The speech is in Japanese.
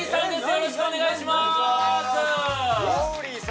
よろしくお願いします